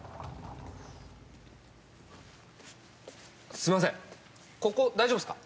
すみません、ここ大丈夫っすか？